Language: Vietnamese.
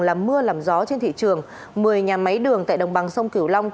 làm mưa làm gió trên thị trường một mươi nhà máy đường tại đồng bằng sông kiểu long